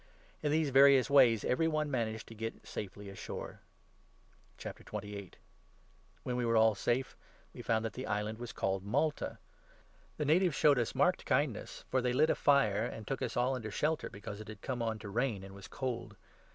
In these various ways every one managed to get safely ashore. Paul When we were all safe, we found that the i at Malta, island was called Malta. The natives showed us 2 marked kindness, for they lit a fire and took us all under shelter, because it had come on to rain and was cold.